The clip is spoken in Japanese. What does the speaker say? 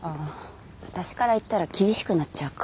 私から言ったら厳しくなっちゃうか。